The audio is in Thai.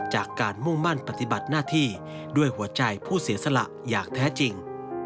จากการมุ่งมั่นปฏิบัติหน้าที่ด้วยหัวใจผู้เสียสละอย่างแท้จริง